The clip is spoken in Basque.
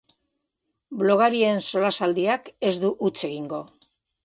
Blogarien solasaldiak ez du huts egingo.